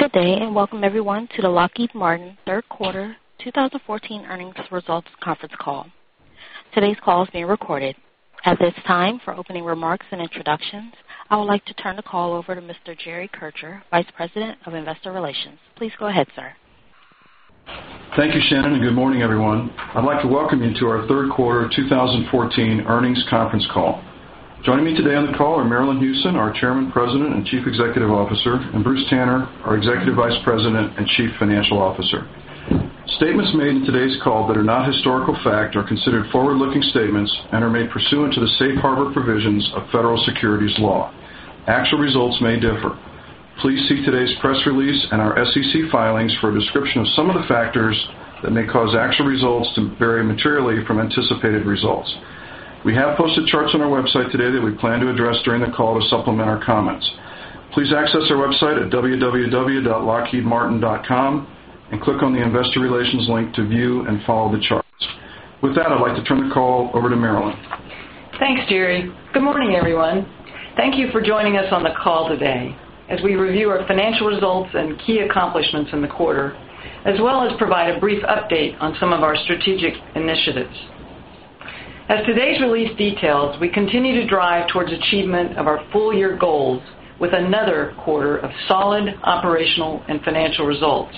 Good day, and welcome, everyone, to the Lockheed Martin third quarter 2014 earnings results conference call. Today's call is being recorded. At this time, for opening remarks and introductions, I would like to turn the call over to Mr. Jerry Kircher, Vice President of Investor Relations. Please go ahead, sir. Thank you, Shannon, and good morning, everyone. I'd like to welcome you to our third quarter 2014 earnings conference call. Joining me today on the call are Marillyn Hewson, our Chairman, President, and Chief Executive Officer, and Bruce Tanner, our Executive Vice President and Chief Financial Officer. Statements made in today's call that are not historical fact are considered forward-looking statements and are made pursuant to the safe harbor provisions of federal securities law. Actual results may differ. Please see today's press release and our SEC filings for a description of some of the factors that may cause actual results to vary materially from anticipated results. We have posted charts on our website today that we plan to address during the call to supplement our comments. Please access our website at www.lockheedmartin.com and click on the Investor Relations link to view and follow the charts. With that, I'd like to turn the call over to Marillyn. Thanks, Jerry. Good morning, everyone. Thank you for joining us on the call today as we review our financial results and key accomplishments in the quarter, as well as provide a brief update on some of our strategic initiatives. As today's release details, we continue to drive towards achievement of our full-year goals with another quarter of solid operational and financial results.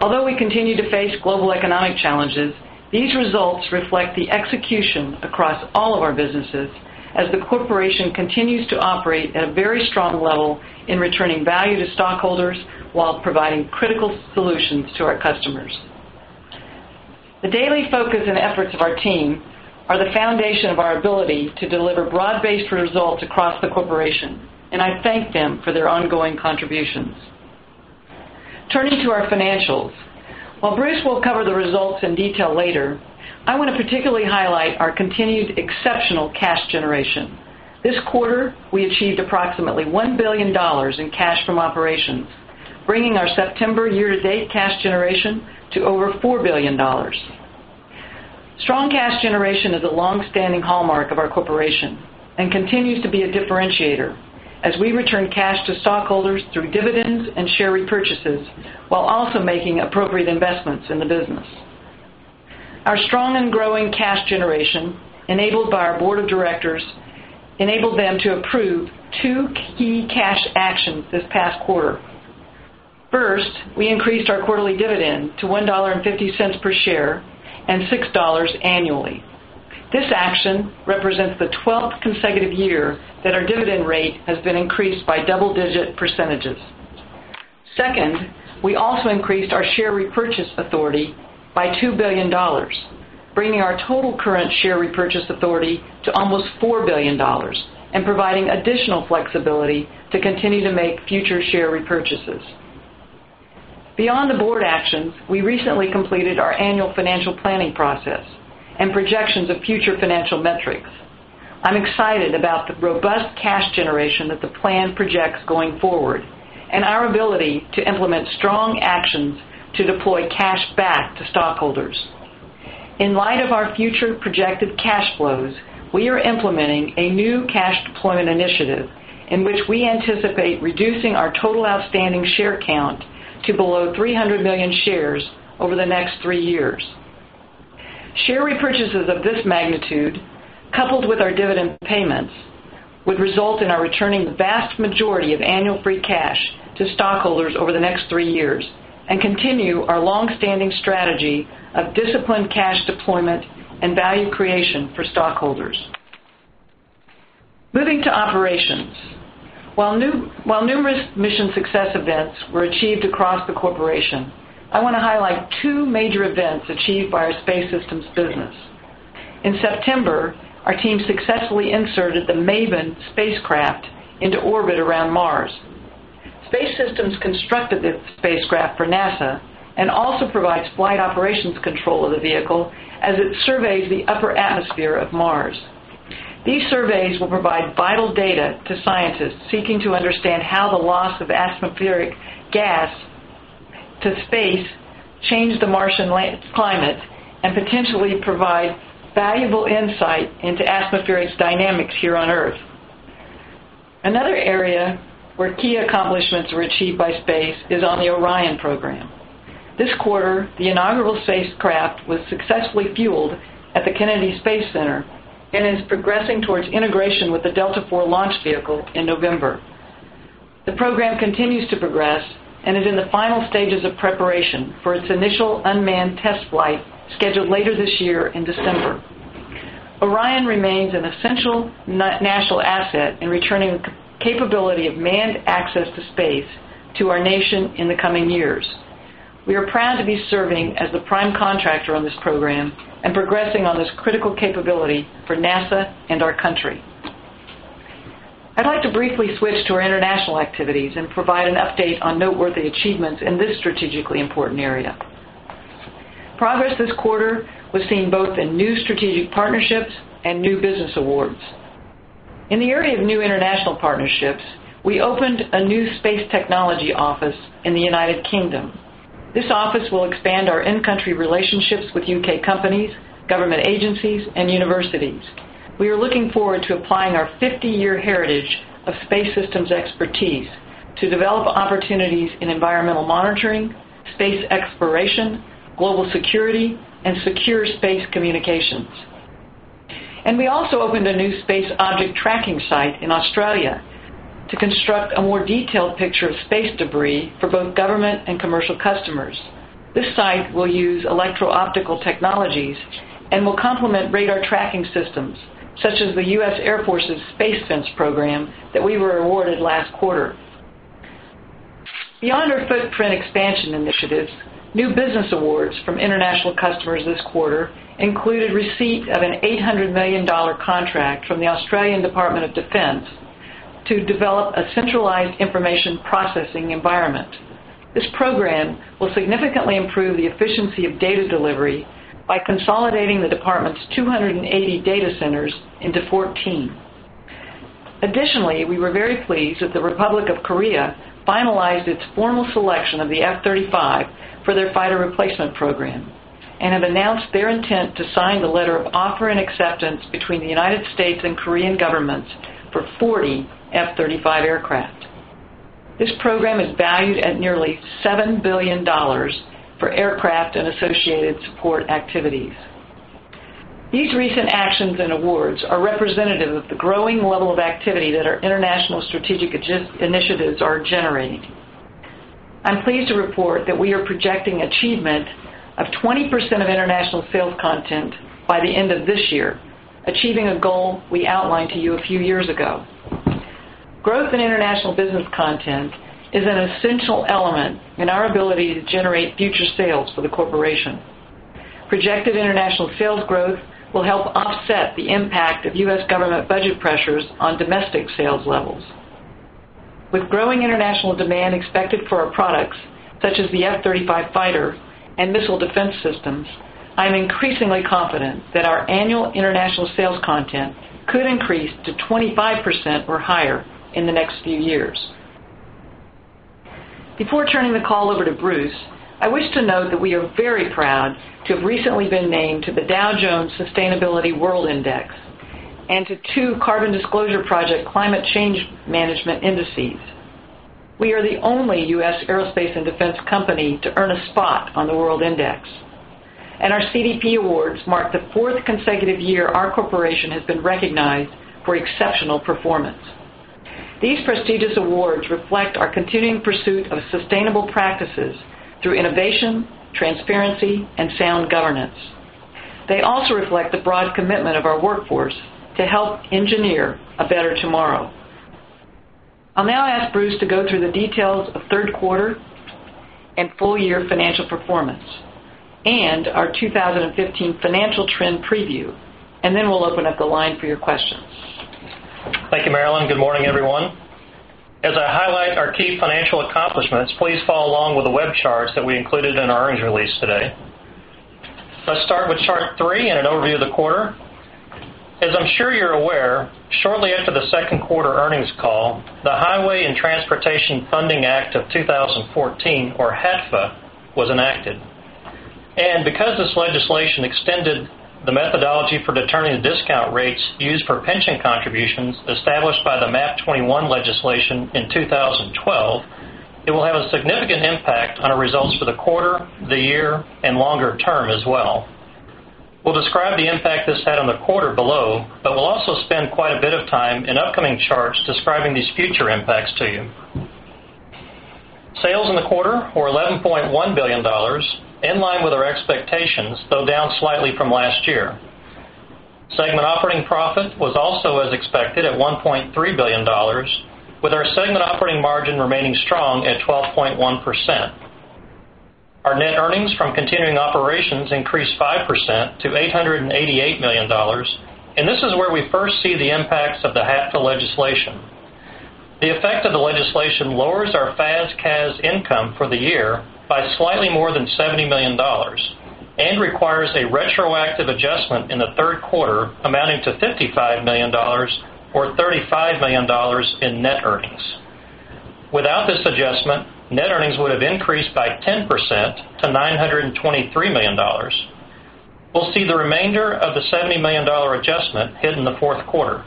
Although we continue to face global economic challenges, these results reflect the execution across all of our businesses as the corporation continues to operate at a very strong level in returning value to stockholders while providing critical solutions to our customers. The daily focus and efforts of our team are the foundation of our ability to deliver broad-based results across the corporation, and I thank them for their ongoing contributions. Turning to our financials. While Bruce will cover the results in detail later, I want to particularly highlight our continued exceptional cash generation. This quarter, we achieved approximately $1 billion in cash from operations, bringing our September year-to-date cash generation to over $4 billion. Strong cash generation is a long-standing hallmark of our corporation and continues to be a differentiator as we return cash to stockholders through dividends and share repurchases while also making appropriate investments in the business. Our strong and growing cash generation, enabled by our board of directors, enabled them to approve two key cash actions this past quarter. First, we increased our quarterly dividend to $1.50 per share and $6 annually. This action represents the 12th consecutive year that our dividend rate has been increased by double-digit percentages. Second, we also increased our share repurchase authority by $2 billion, bringing our total current share repurchase authority to almost $4 billion and providing additional flexibility to continue to make future share repurchases. Beyond the board actions, we recently completed our annual financial planning process and projections of future financial metrics. I am excited about the robust cash generation that the plan projects going forward and our ability to implement strong actions to deploy cash back to stockholders. In light of our future projected cash flows, we are implementing a new cash deployment initiative in which we anticipate reducing our total outstanding share count to below 300 million shares over the next three years. Share repurchases of this magnitude, coupled with our dividend payments, would result in our returning the vast majority of annual free cash to stockholders over the next three years and continue our long-standing strategy of disciplined cash deployment and value creation for stockholders. Moving to operations. While numerous mission success events were achieved across the corporation, I want to highlight two major events achieved by our space systems business. In September, our team successfully inserted the MAVEN spacecraft into orbit around Mars. Space systems constructed the spacecraft for NASA and also provides flight operations control of the vehicle as it surveys the upper atmosphere of Mars. These surveys will provide vital data to scientists seeking to understand how the loss of atmospheric gas to space changed the Martian climate and potentially provide valuable insight into atmospheric dynamics here on Earth. Another area where key accomplishments were achieved by space is on the Orion program. This quarter, the inaugural spacecraft was successfully fueled at the Kennedy Space Center and is progressing towards integration with the Delta IV launch vehicle in November. The program continues to progress and is in the final stages of preparation for its initial unmanned test flight scheduled later this year in December. Orion remains an essential national asset in returning the capability of manned access to space to our nation in the coming years. We are proud to be serving as the prime contractor on this program and progressing on this critical capability for NASA and our country. I would like to briefly switch to our international activities and provide an update on noteworthy achievements in this strategically important area. Progress this quarter was seen both in new strategic partnerships and new business awards. In the area of new international partnerships, we opened a new space technology office in the U.K. This office will expand our in-country relationships with U.K. companies, government agencies, and universities. We are looking forward to applying our 50-year heritage of space systems expertise to develop opportunities in environmental monitoring, space exploration, global security, and secure space communications. We also opened a new space object tracking site in Australia to construct a more detailed picture of space debris for both government and commercial customers. This site will use electro-optical technologies and will complement radar tracking systems such as the U.S. Air Force's Space Fence program that we were awarded last quarter. Beyond our footprint expansion initiatives, new business awards from international customers this quarter included receipt of an $800 million contract from the Australian Department of Defence to develop a centralized information processing environment. This program will significantly improve the efficiency of data delivery by consolidating the department's 280 data centers into 14. Additionally, we were very pleased that the Republic of Korea finalized its formal selection of the F-35 for their fighter replacement program and have announced their intent to sign the letter of offer and acceptance between the U.S. and Korean governments for 40 F-35 aircraft. This program is valued at nearly $7 billion for aircraft and associated support activities. These recent actions and awards are representative of the growing level of activity that our international strategic initiatives are generating. I'm pleased to report that we are projecting achievement of 20% of international sales content by the end of this year, achieving a goal we outlined to you a few years ago. Growth in international business content is an essential element in our ability to generate future sales for the corporation. Projected international sales growth will help offset the impact of U.S. government budget pressures on domestic sales levels. With growing international demand expected for our products, such as the F-35 fighter and missile defense systems, I am increasingly confident that our annual international sales content could increase to 25% or higher in the next few years. Before turning the call over to Bruce, I wish to note that we are very proud to have recently been named to the Dow Jones Sustainability World Index and to two Carbon Disclosure Project Climate Change Management Indices. We are the only U.S. aerospace and defense company to earn a spot on the world index, and our CDP awards mark the fourth consecutive year our corporation has been recognized for exceptional performance. These prestigious awards reflect our continuing pursuit of sustainable practices through innovation, transparency, and sound governance. They also reflect the broad commitment of our workforce to help engineer a better tomorrow. I'll now ask Bruce to go through the details of third quarter and full year financial performance and our 2015 financial trend preview, and then we'll open up the line for your questions. Thank you, Marillyn. Good morning, everyone. As I highlight our key financial accomplishments, please follow along with the web charts that we included in our earnings release today. Let's start with chart three and an overview of the quarter. As I'm sure you're aware, shortly after the second quarter earnings call, the Highway and Transportation Funding Act of 2014, or HTFA, was enacted. Because this legislation extended the methodology for determining the discount rates used for pension contributions established by the MAP-21 legislation in 2012, it will have a significant impact on our results for the quarter, the year, and longer term as well. We'll describe the impact this had on the quarter below, but we'll also spend quite a bit of time in upcoming charts describing these future impacts to you. Sales in the quarter were $11.1 billion, in line with our expectations, though down slightly from last year. Segment operating profit was also as expected at $1.3 billion, with our segment operating margin remaining strong at 12.1%. Our net earnings from continuing operations increased 5% to $888 million. This is where we first see the impacts of the HTFA legislation. The effect of the legislation lowers our FAS/CAS income for the year by slightly more than $70 million and requires a retroactive adjustment in the third quarter amounting to $55 million, or $35 million in net earnings. Without this adjustment, net earnings would have increased by 10% to $923 million. We'll see the remainder of the $70 million adjustment hit in the fourth quarter.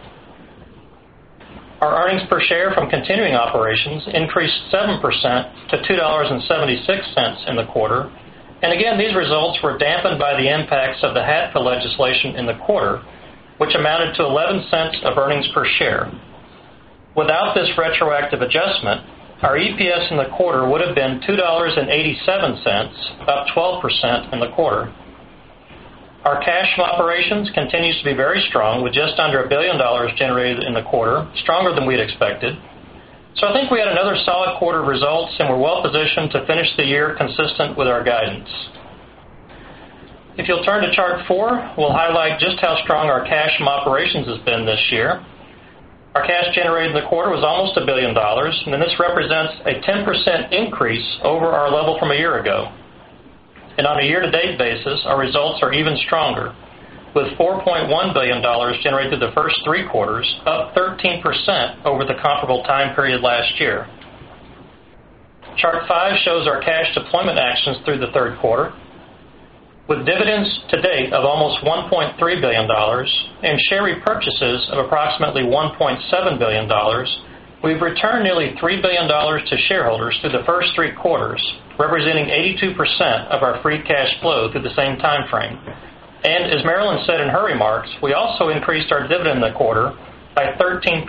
Our earnings per share from continuing operations increased 7% to $2.76 in the quarter. Again, these results were dampened by the impacts of the HTFA legislation in the quarter, which amounted to $0.11 of earnings per share. Without this retroactive adjustment, our EPS in the quarter would have been $2.87, about 12% in the quarter. Our cash from operations continues to be very strong with just under $1 billion generated in the quarter, stronger than we'd expected. I think we had another solid quarter of results, and we're well positioned to finish the year consistent with our guidance. If you'll turn to chart four, we'll highlight just how strong our cash from operations has been this year. Our cash generated in the quarter was almost $1 billion. This represents a 10% increase over our level from a year ago. On a year-to-date basis, our results are even stronger, with $4.1 billion generated through the first three quarters, up 13% over the comparable time period last year. Chart five shows our cash deployment actions through the third quarter. With dividends to date of almost $1.3 billion and share repurchases of approximately $1.7 billion, we've returned nearly $3 billion to shareholders through the first three quarters, representing 82% of our free cash flow through the same timeframe. As Marillyn said in her remarks, we also increased our dividend in the quarter by 13%,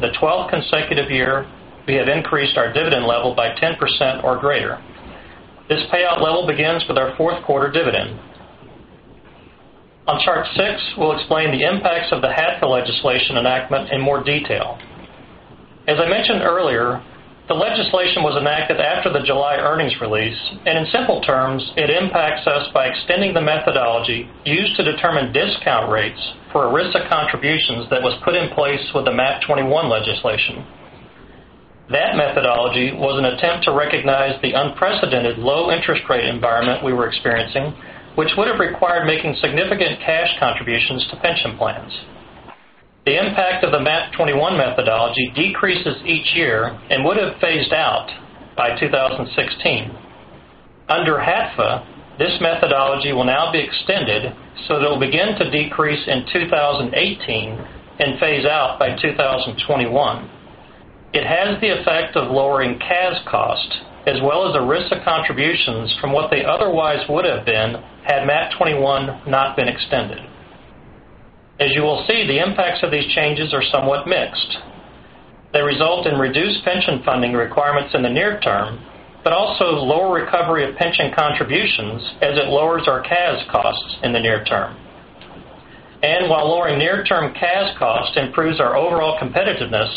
the 12th consecutive year we have increased our dividend level by 10% or greater. This payout level begins with our fourth quarter dividend. On chart six, we'll explain the impacts of the HTFA legislation enactment in more detail. As I mentioned earlier, the legislation was enacted after the July earnings release. In simple terms, it impacts us by extending the methodology used to determine discount rates for ERISA contributions that was put in place with the MAP-21 legislation. That methodology was an attempt to recognize the unprecedented low interest rate environment we were experiencing, which would have required making significant cash contributions to pension plans. The impact of the MAP-21 methodology decreases each year and would have phased out by 2016. Under HTFA, this methodology will now be extended so that it'll begin to decrease in 2018 and phase out by 2021. It has the effect of lowering CAS costs, as well as ERISA contributions from what they otherwise would have been had MAP-21 not been extended. As you will see, the impacts of these changes are somewhat mixed. They result in reduced pension funding requirements in the near term, but also lower recovery of pension contributions as it lowers our CAS costs in the near term. While lowering near-term CAS costs improves our overall competitiveness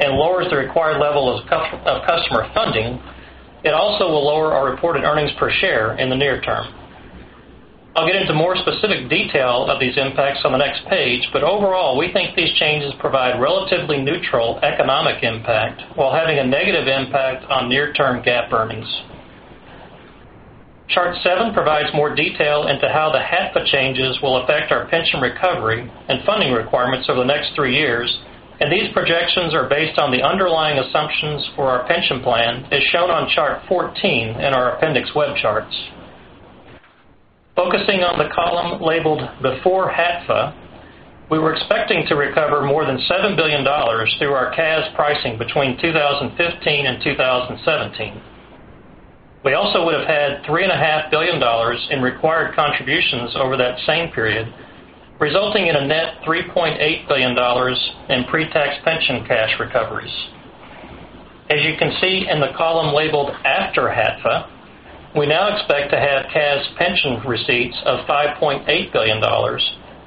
and lowers the required level of customer funding, it also will lower our reported earnings per share in the near term. I'll get into more specific detail of these impacts on the next page. Overall, we think these changes provide relatively neutral economic impact while having a negative impact on near-term GAAP earnings. Chart seven provides more detail into how the HTFA changes will affect our pension recovery and funding requirements over the next three years, and these projections are based on the underlying assumptions for our pension plan, as shown on chart 14 in our appendix web charts. Focusing on the column labeled Before HTFA, we were expecting to recover more than $7 billion through our CAS pricing between 2015 and 2017. We also would have had $3.5 billion in required contributions over that same period, resulting in a net $3.8 billion in pre-tax pension cash recoveries. As you can see in the column labeled After HTFA, we now expect to have CAS pension receipts of $5.8 billion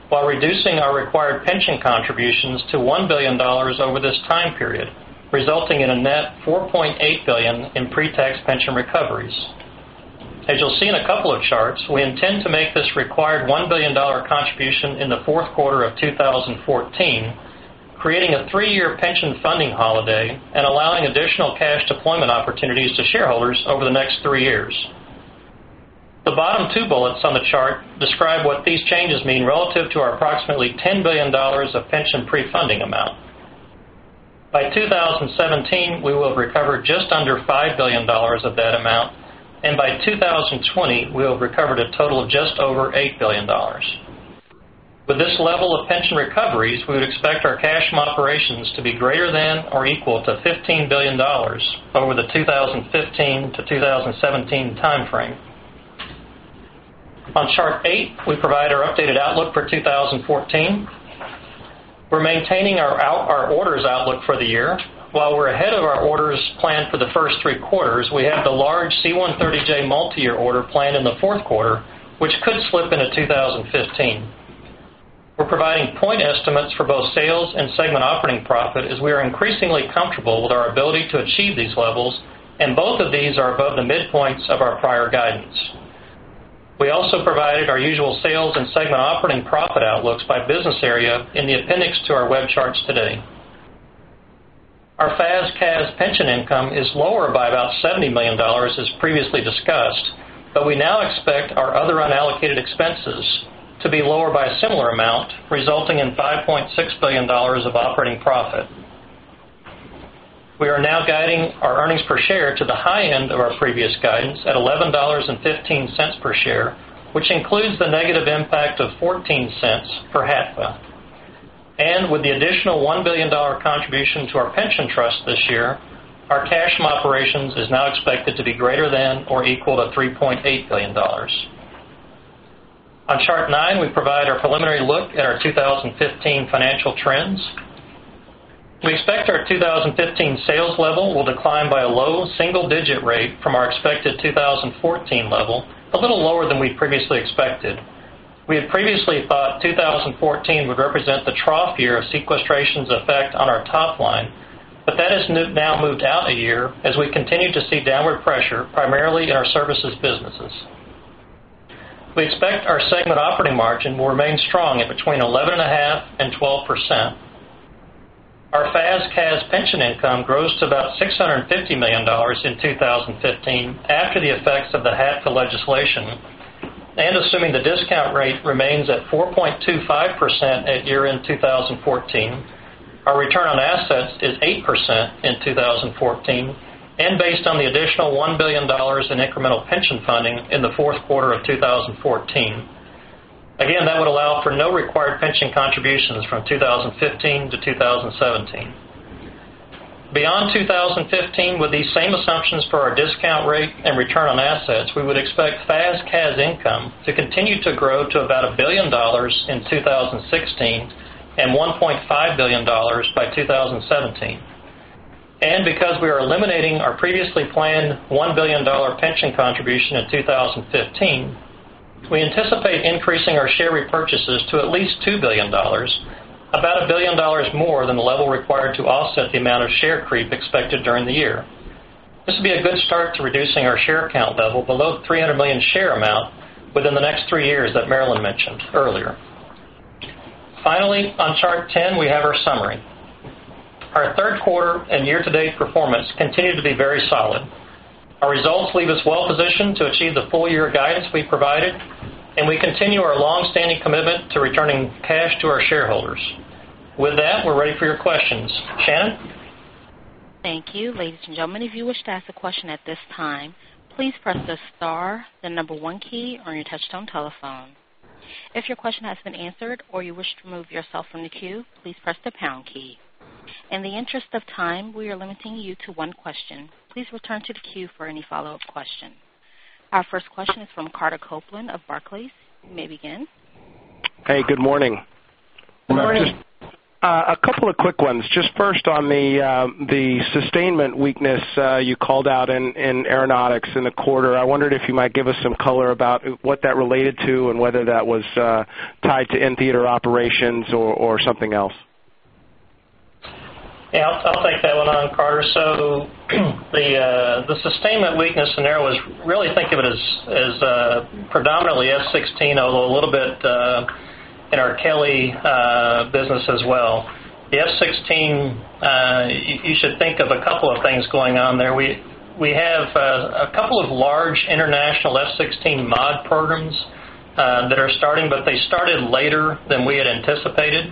while reducing our required pension contributions to $1 billion over this time period, resulting in a net $4.8 billion in pre-tax pension recoveries. As you'll see in a couple of charts, we intend to make this required $1 billion contribution in the fourth quarter of 2014, creating a three-year pension funding holiday and allowing additional cash deployment opportunities to shareholders over the next three years. The bottom two bullets on the chart describe what these changes mean relative to our approximately $10 billion of pension pre-funding amount. By 2017, we will have recovered just under $5 billion of that amount. By 2020, we'll have recovered a total of just over $8 billion. With this level of pension recoveries, we would expect our cash from operations to be greater than or equal to $15 billion over the 2015 to 2017 timeframe. On chart eight, we provide our updated outlook for 2014. We're maintaining our orders outlook for the year. While we're ahead of our orders plan for the first three quarters, we have the large C-130J multi-year order planned in the fourth quarter, which could slip into 2015. We're providing point estimates for both sales and segment operating profit as we are increasingly comfortable with our ability to achieve these levels. Both of these are above the midpoints of our prior guidance. We also provided our usual sales and segment operating profit outlooks by business area in the appendix to our web charts today. Our FAS/CAS pension income is lower by about $70 million, as previously discussed. We now expect our other unallocated expenses to be lower by a similar amount, resulting in $5.6 billion of operating profit. We are now guiding our earnings per share to the high end of our previous guidance at $11.15 per share, which includes the negative impact of $0.14 per HTFA. With the additional $1 billion contribution to our pension trust this year, our cash from operations is now expected to be greater than or equal to $3.8 billion. On chart nine, we provide our preliminary look at our 2015 financial trends. We expect our 2015 sales level will decline by a low single-digit rate from our expected 2014 level, a little lower than we previously expected. We had previously thought 2014 would represent the trough year of sequestration's effect on our top line. That has now moved out a year as we continue to see downward pressure, primarily in our services businesses. We expect our segment operating margin will remain strong at between 11.5%-12%. Our FAS/CAS pension income grows to about $650 million in 2015, after the effects of the HTFA legislation. Assuming the discount rate remains at 4.25% at year-end 2014, our return on assets is 8% in 2014. Based on the additional $1 billion in incremental pension funding in the fourth quarter of 2014, again, that would allow for no required pension contributions from 2015 to 2017. Beyond 2015, with these same assumptions for our discount rate and return on assets, we would expect FAS/CAS income to continue to grow to about $1 billion in 2016 and $1.5 billion by 2017. Because we are eliminating our previously planned $1 billion pension contribution in 2015, we anticipate increasing our share repurchases to at least $2 billion, about $1 billion more than the level required to offset the amount of share creep expected during the year. This would be a good start to reducing our share count level below 300 million share amount within the next three years that Marillyn mentioned earlier. Finally, on chart 10, we have our summary. Our third quarter and year-to-date performance continued to be very solid. Our results leave us well positioned to achieve the full year guidance we provided. We continue our longstanding commitment to returning cash to our shareholders. With that, we're ready for your questions. Shannon? Thank you. Ladies and gentlemen, if you wish to ask a question at this time, please press the star 1 key on your touch-tone telephone. If your question has been answered or you wish to remove yourself from the queue, please press the pound key. In the interest of time, we are limiting you to one question. Please return to the queue for any follow-up question. Our first question is from Carter Copeland of Barclays. You may begin. Hey, good morning. Good morning. A couple of quick ones. Just first on the sustainment weakness you called out in Aeronautics in the quarter, I wondered if you might give us some color about what that related to and whether that was tied to in-theater operations or something else. I'll take that one on, Carter. The sustainment weakness scenario is, really think of it as predominantly F-16, although a little bit in our Kelly business as well. The F-16, you should think of a couple of things going on there. We have a couple of large international F-16 mod programs that are starting, but they started later than we had anticipated,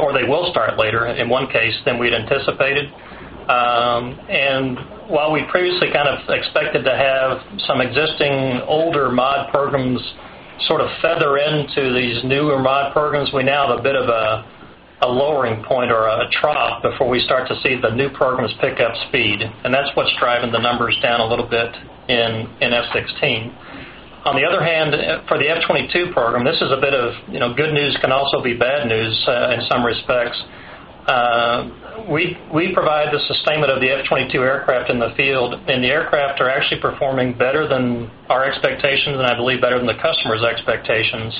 or they will start later in one case than we'd anticipated. While we previously kind of expected to have some existing older mod programs sort of feather into these newer mod programs, we now have a bit of a lowering point or a trough before we start to see the new programs pick up speed. That's what's driving the numbers down a little bit in F-16. On the other hand, for the F-22 program, this is a bit of good news can also be bad news in some respects. We provide the sustainment of the F-22 aircraft in the field, and the aircraft are actually performing better than our expectations and I believe better than the customer's expectations.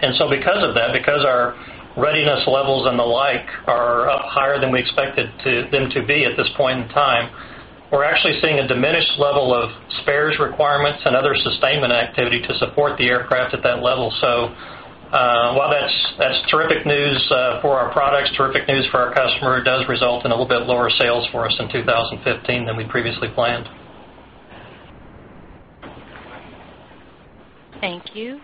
Because of that, because our readiness levels and the like are up higher than we expected them to be at this point in time, we're actually seeing a diminished level of spares requirements and other sustainment activity to support the aircraft at that level. While that's terrific news for our products, terrific news for our customer, it does result in a little bit lower sales for us in 2015 than we previously planned. Thank you.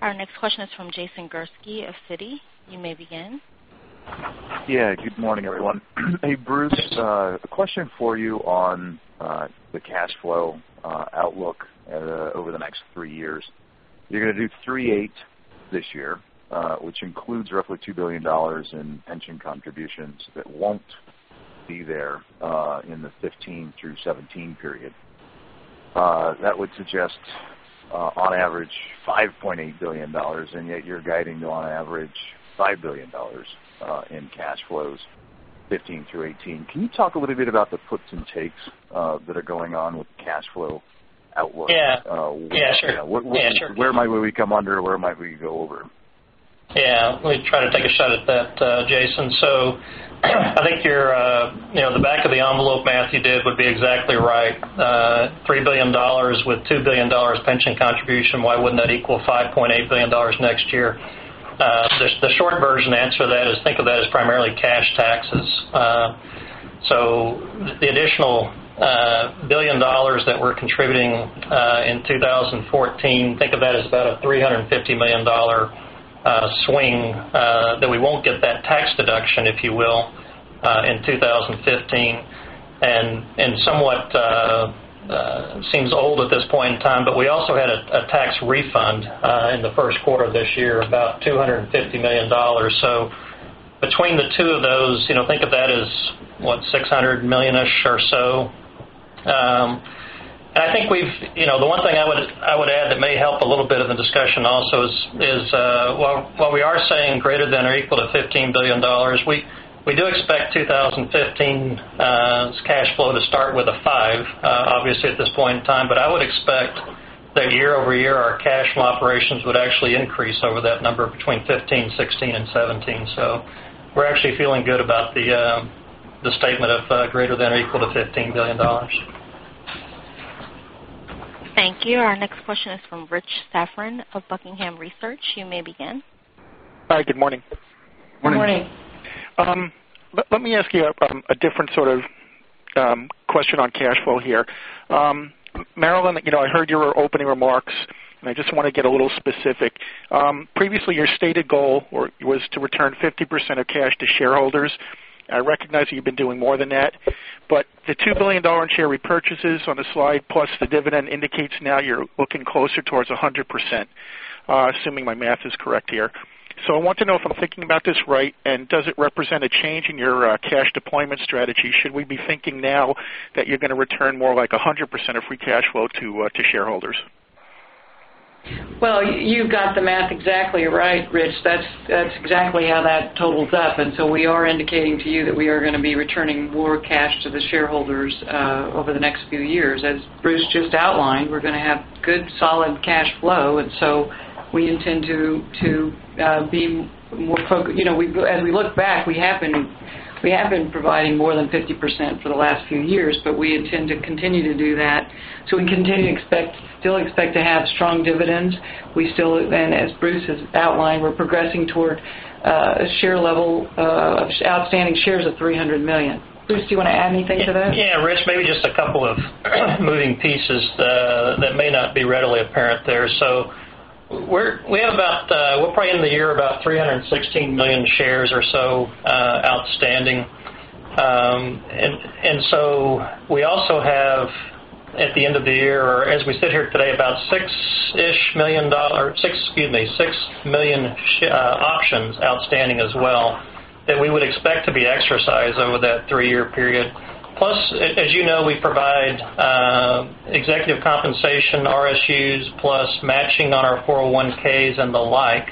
Our next question is from Jason Gursky of Citigroup. You may begin. Yeah. Good morning, everyone. Hey, Bruce, a question for you on the cash flow outlook over the next 3 years. You're going to do $3.8 billion this year, which includes roughly $2 billion in pension contributions that won't be there in the 2015 through 2017 period. That would suggest, on average, $5.8 billion, and yet you're guiding to on average $5 billion in cash flows 2015 thkrough 2017. Can you talk a little bit about the puts and takes that are going on with the cash flow outlook? Yeah, sure. Where might we come under? Where might we go over? Let me try to take a shot at that, Jason. I think the back of the envelope math you did would be exactly right. $3 billion with $2 billion pension contribution, why wouldn't that equal $5.8 billion next year? The short version answer to that is think of that as primarily cash taxes. The additional $1 billion that we're contributing in 2014, think of that as about a $350 million swing that we won't get that tax deduction, if you will, in 2015, and somewhat seems old at this point in time, but we also had a tax refund in the first quarter of this year, about $250 million. Between the two of those, think of that as, what, $600 million-ish or so. The one thing I would add that may help a little bit of the discussion also is while we are saying greater than or equal to $15 billion, we do expect 2015's cash flow to start with a five, obviously, at this point in time, but I would expect that year-over-year, our cash from operations would actually increase over that number between 2015, 2016, and 2017. We're actually feeling good about the statement of greater than or equal to $15 billion. Thank you. Our next question is from Rich Safran of Buckingham Research. You may begin. Hi. Good morning. Good morning. Let me ask you a different sort of question on cash flow here. Marillyn, I heard your opening remarks, and I just want to get a little specific. Previously, your stated goal was to return 50% of cash to shareholders. I recognize that you've been doing more than that, but the $2 billion share repurchases on the slide, plus the dividend indicates now you're looking closer towards 100%, assuming my math is correct here. I want to know if I'm thinking about this right, and does it represent a change in your cash deployment strategy? Should we be thinking now that you're going to return more like 100% of free cash flow to shareholders? Well, you've got the math exactly right, Rich. That's exactly how that totals up. We are indicating to you that we are going to be returning more cash to the shareholders over the next few years. As Bruce just outlined, we're going to have good, solid cash flow, and we intend to be more focused. As we look back, we have been providing more than 50% for the last few years, but we intend to continue to do that. We continue to still expect to have strong dividends. We still, as Bruce has outlined, we're progressing toward a share level of outstanding shares of 300 million. Bruce, do you want to add anything to that? Yeah, Rich, maybe just a couple of moving pieces that may not be readily apparent there. We'll probably end the year about 316 million shares or so outstanding. We also have, at the end of the year, as we sit here today, about six million options outstanding as well that we would expect to be exercised over that three-year period. Plus, as you know, we provide executive compensation, RSUs, plus matching on our 401(k)s and the like.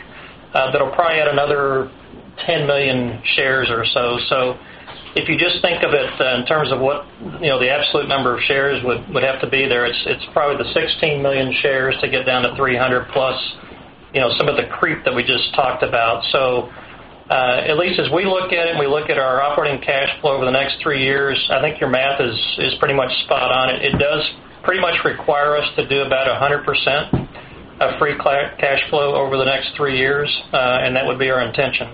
That'll probably add another 10 million shares or so. If you just think of it in terms of what the absolute number of shares would have to be there, it's probably the 16 million shares to get down to 300 plus some of the creep that we just talked about. At least as we look at it, and we look at our operating cash flow over the next three years, I think your math is pretty much spot on. It does pretty much require us to do about 100% of free cash flow over the next three years, and that would be our intention.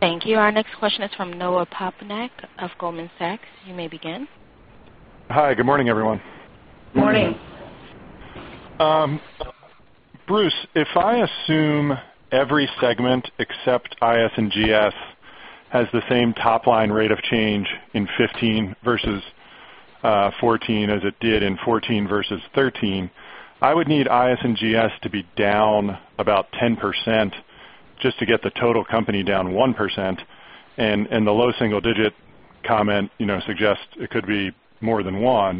Thank you. Our next question is from Noah Poponak of Goldman Sachs. You may begin. Hi. Good morning, everyone. Good morning. Bruce, if I assume every segment except IS&GS has the same top-line rate of change in 2015 versus 2014 as it did in 2014 versus 2013, I would need IS&GS to be down about 10% just to get the total company down 1%. The low single-digit comment suggests it could be more than 1%.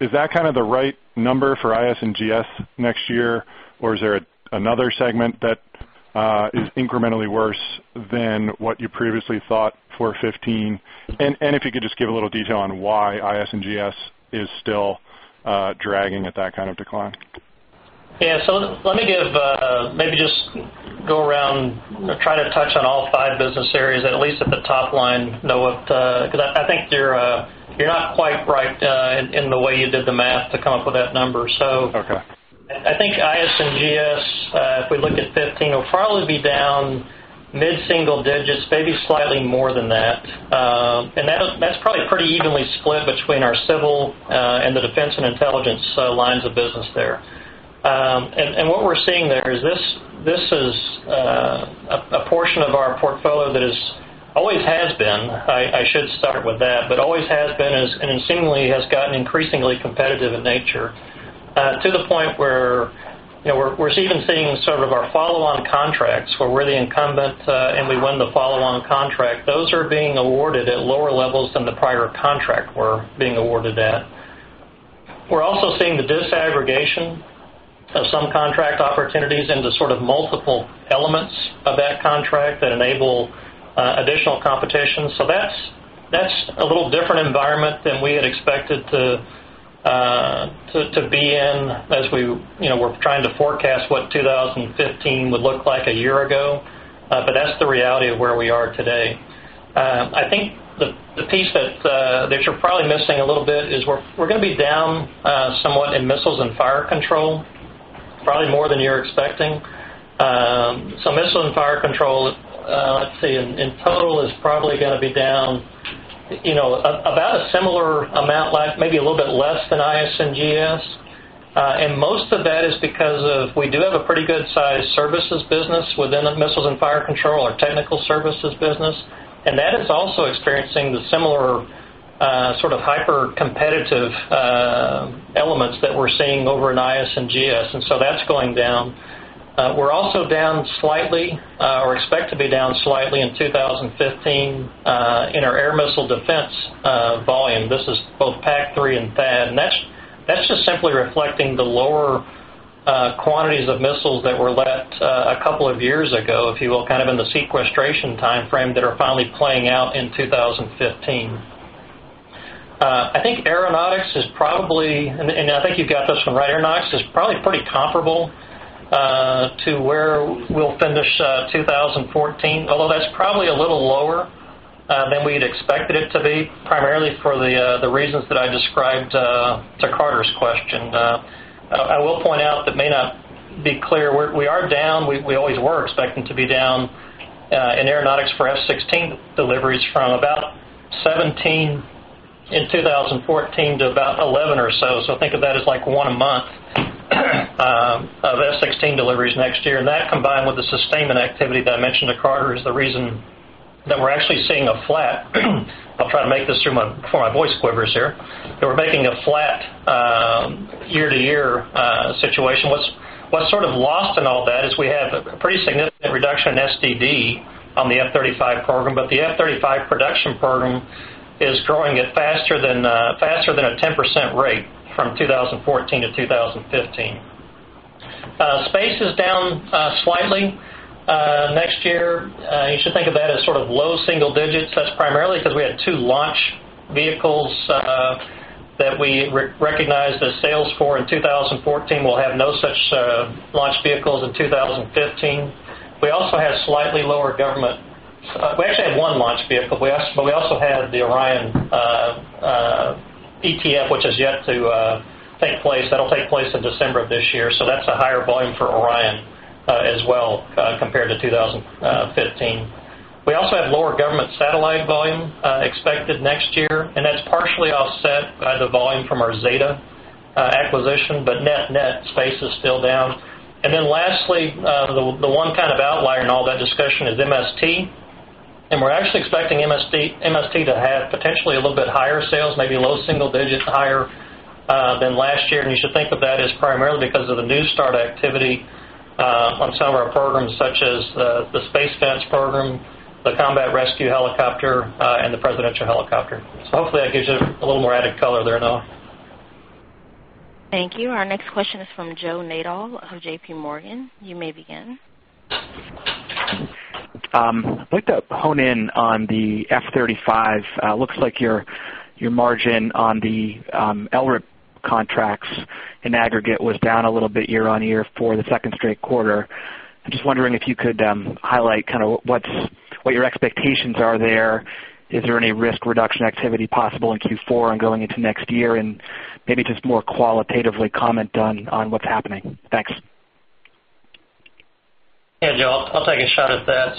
Is that kind of the right number for IS&GS next year, or is there another segment that is incrementally worse than what you previously thought for 2015? If you could just give a little detail on why IS&GS is still dragging at that kind of decline. Yeah. Let me maybe just go around and try to touch on all five business areas, at least at the top line, Noah, because I think you're not quite right in the way you did the math to come up with that number. Okay. I think IS&GS, if we look at 2015, will probably be down mid-single digits, maybe slightly more than that. That's probably pretty evenly split between our civil and the Defense and Intelligence lines of business there. What we're seeing there is this is a portion of our portfolio that always has been, and seemingly has gotten increasingly competitive in nature to the point where we're even seeing our follow-on contracts where we're the incumbent, and we won the follow-on contract. Those are being awarded at lower levels than the prior contract we're being awarded at. We're also seeing the disaggregation of some contract opportunities into multiple elements of that contract that enable additional competition. That's a little different environment than we had expected to be in as we were trying to forecast what 2015 would look like a year ago. That's the reality of where we are today. I think the piece that you're probably missing a little bit is we're going to be down somewhat in Missiles and Fire Control, probably more than you're expecting. Missiles and Fire Control, in total is probably going to be down about a similar amount, maybe a little bit less than IS&GS. Most of that is because we do have a pretty good size services business within the Missiles and Fire Control, our technical services business, and that is also experiencing the similar hyper-competitive elements that we're seeing over in IS&GS. That's going down. We're also down slightly or expect to be down slightly in 2015 in our air missile defense volume. This is both PAC-3 and THAAD. That's just simply reflecting the lower quantities of missiles that were let a couple of years ago, kind of in the sequestration timeframe that are finally playing out in 2015. I think Aeronautics is probably pretty comparable to where we'll finish 2014, although that's probably a little lower than we'd expected it to be primarily for the reasons that I described to Carter's question. I will point out, that may not be clear, we are down, we always were expecting to be down in Aeronautics for F-16 deliveries from about 17 in 2014 to about 11 or so. Think of that as one a month of F-16 deliveries next year. That combined with the sustainment activity that I mentioned to Carter is the reason that we're actually making a flat year to year situation. What's lost in all that is we have a pretty significant reduction in SDD on the F-35 program. The F-35 production program is growing at faster than a 10% rate from 2014 to 2015. Space is down slightly next year. You should think of that as low single digits. That's primarily because we had two launch vehicles that we recognized as sales for in 2014. We'll have no such launch vehicles in 2015. We actually had one launch vehicle, but we also had the Orion EFT, which has yet to take place. That'll take place in December of this year. That's a higher volume for Orion as well compared to 2015. We also have lower government satellite volume expected next year, that's partially offset by the volume from our Zeta acquisition. Net, space is still down. Lastly, the one kind of outlier in all that discussion is MST, we're actually expecting MST to have potentially a little bit higher sales, maybe low single digits, higher than last year. You should think of that as primarily because of the new start activity on some of our programs, such as the Space Fence program, the Combat Rescue Helicopter and the Presidential Helicopter. Hopefully that gives you a little more added color there, Noah. Thank you. Our next question is from Joe Nadol of J.P. Morgan. You may begin. I'd like to hone in on the F-35. Looks like your margin on the LRIP contracts in aggregate was down a little bit year-on-year for the second straight quarter. I'm just wondering if you could highlight kind of what your expectations are there. Is there any risk reduction activity possible in Q4 and going into next year? Maybe just more qualitatively comment on what's happening. Thanks. Yeah, Joe, I'll take a shot at that.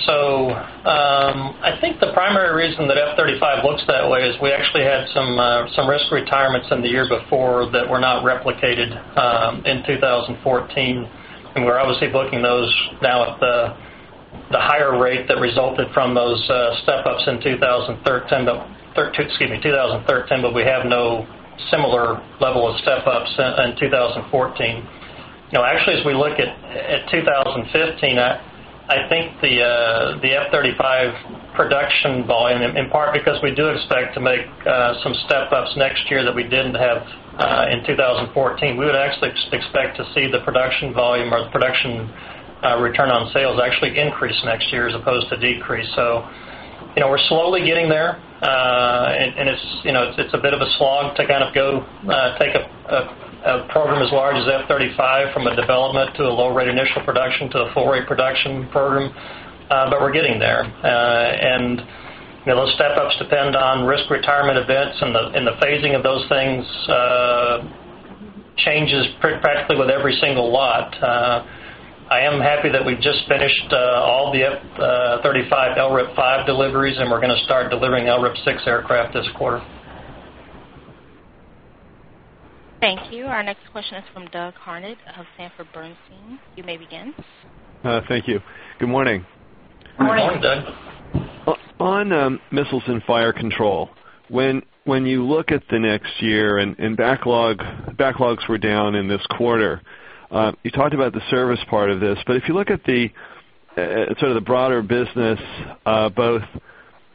I think the primary reason that F-35 looks that way is we actually had some risk retirements in the year before that were not replicated in 2014. We're obviously booking those now at the higher rate that resulted from those step ups in 2013. We have no similar level of step ups in 2014. Actually, as we look at 2015, I think the F-35 production volume, in part because we do expect to make some step ups next year that we didn't have in 2014. We would actually expect to see the production volume or the production return on sales actually increase next year as opposed to decrease. We're slowly getting there. It's a bit of a slog to kind of go take a program as large as F-35 from a development to a Low-Rate Initial Production to a Full-Rate Production program. We're getting there. Those step ups depend on risk retirement events and the phasing of those things changes practically with every single lot. I am happy that we just finished all the F-35 LRIP 5 deliveries, and we're going to start delivering LRIP 6 aircraft this quarter. Thank you. Our next question is from Doug Harned of Sanford Bernstein. You may begin. Thank you. Good morning. Good morning, Doug. On missiles and fire control, when you look at the next year and backlogs were down in this quarter, you talked about the service part of this. If you look at the sort of the broader business both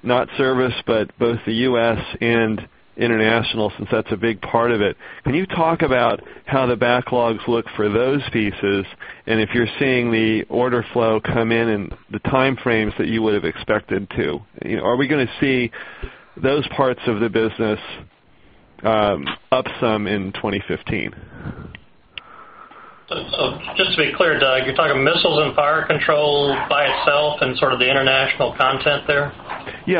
not service, but both the U.S. and international, since that's a big part of it, can you talk about how the backlogs look for those pieces and if you're seeing the order flow come in and the time frames that you would have expected to? Are we going to see those parts of the business up some in 2015? Just to be clear, Doug, you're talking missiles and fire control by itself and sort of the international content there?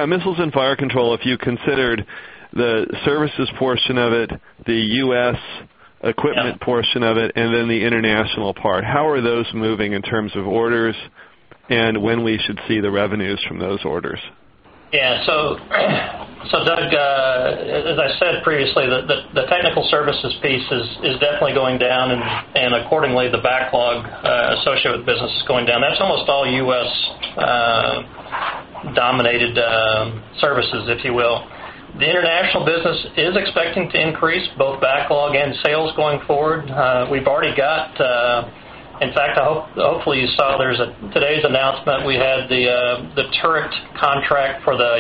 Missiles and fire control. If you considered the services portion of it, the U.S. equipment portion of it, and then the international part. How are those moving in terms of orders and when we should see the revenues from those orders? Doug, as I said previously, the technical services piece is definitely going down, and accordingly, the backlog associated with business is going down. That's almost all U.S. dominated services, if you will. The international business is expecting to increase both backlog and sales going forward. We've already got, in fact, hopefully you saw there's today's announcement, we had the turret contract for the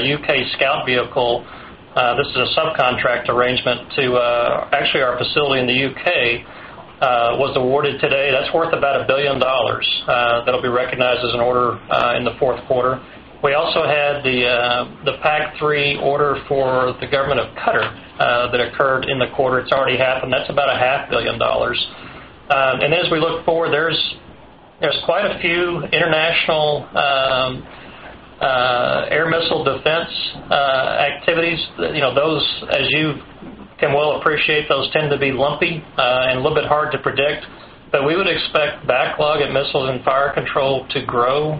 Scout SV vehicle. This is a subcontract arrangement to actually our facility in the U.K. was awarded today. That's worth about $1 billion. That'll be recognized as an order in the fourth quarter. We also had the PAC-3 order for the government of Qatar that occurred in the quarter. It's already happened. That's about a half billion dollars. As we look forward, there's quite a few international air missile defense activities. Those, as you can well appreciate, tend to be lumpy and a little bit hard to predict. We would expect backlog in Missiles and Fire Control to grow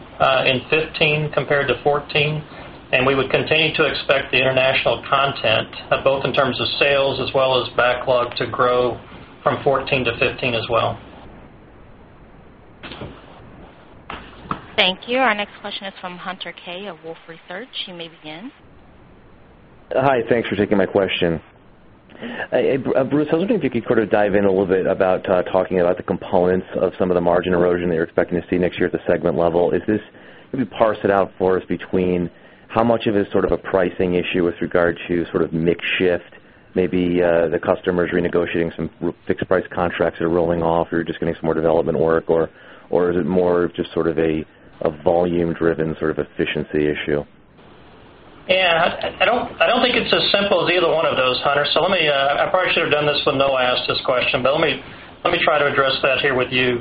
in 2015 compared to 2014, and we would continue to expect the international content, both in terms of sales as well as backlog, to grow from 2014 to 2015 as well. Thank you. Our next question is from Hunter Keay of Wolfe Research. You may begin. Hi. Thanks for taking my question. Bruce, I was wondering if you could sort of dive in a little bit about talking about the components of some of the margin erosion that you're expecting to see next year at the segment level. Maybe parse it out for us between how much of it is sort of a pricing issue with regard to sort of mix shift, maybe the customers renegotiating some fixed price contracts that are rolling off or you're just getting some more development work, or is it more just sort of a volume-driven sort of efficiency issue? I don't think it's as simple as either one of those, Hunter. Let me I probably should have done this when Noah asked this question, but let me try to address that here with you.